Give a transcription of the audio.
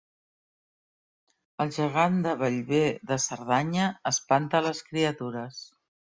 El gegant de Bellver de Cerdanya espanta les criatures